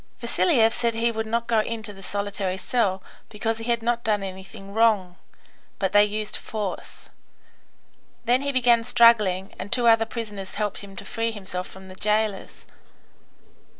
Vasiliev said he would not go into the solitary cell, because he had not done anything wrong; but they used force. Then he began struggling, and two other prisoners helped him to free himself from the jailers.